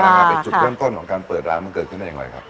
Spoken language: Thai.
แต่จุดเริ่มต้นของการเปิดร้านมันเกิดขึ้นได้อย่างไรครับ